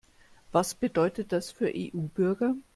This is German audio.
Was bedeutet das für EU-Bürger?